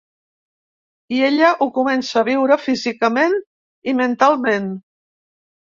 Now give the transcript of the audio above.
I ella ho comença a viure físicament i mentalment.